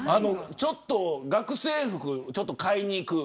ちょっと学生服を買いに行く。